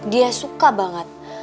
dia suka banget